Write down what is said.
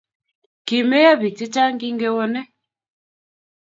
kimeyo pik che chang kinge wone